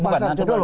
pasar itu dulu